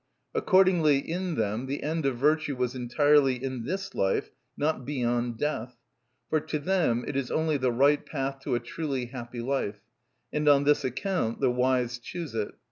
Accordingly in them the end of virtue was entirely in this life, not beyond death. For to them it is only the right path to a truly happy life; and on this account the wise choose it.